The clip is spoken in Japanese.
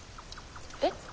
えっ？